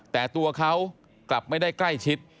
แต่ตัวเขากลับไม่ได้ใกล้ชิด